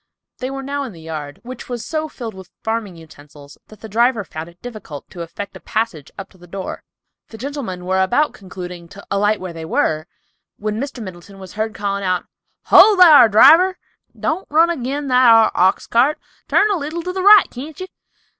They were now in the yard, which was so filled with farming utensils that the driver found it difficult to effect a passage up to the door. The gentlemen were about concluding to alight where they were, when Mr. Middleton was heard calling out, "Ho, thar, driver, don't run agin that ar ox cart; turn a leetle to the right, can't ye?